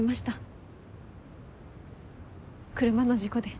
車の事故で。